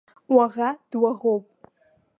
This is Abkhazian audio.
Уаӷа дуаӷоуп.